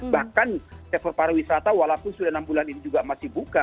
bahkan sektor pariwisata walaupun sudah enam bulan ini juga masih buka